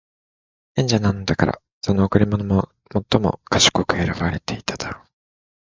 賢者なのだから、その贈り物も最も賢く選ばていただろう。